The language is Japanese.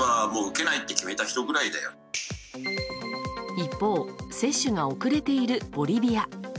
一方、接種が遅れているボリビア。